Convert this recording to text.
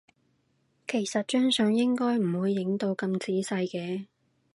其實張相應該唔會影到咁仔細嘅